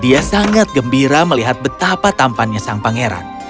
dia sangat gembira melihat betapa tampannya sang pangeran